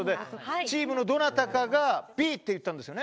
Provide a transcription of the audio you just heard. チームのどなたかがＢと言ったんですよね。